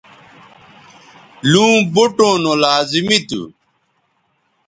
لوں بوٹوں نو لازمی تھو